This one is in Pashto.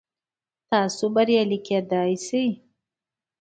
تاسو بریالي کیدی شئ